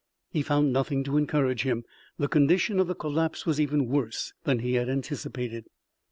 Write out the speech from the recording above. He found nothing to encourage him. The condition of the collapse was even worse than he had anticipated.